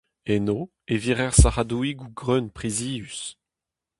Eno e virer sac'hadoùigoù greun prizius.